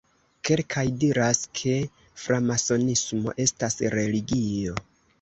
Kelkaj diras, ke framasonismo estas religio.